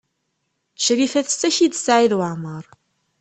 Crifa tessaki-d Saɛid Waɛmaṛ.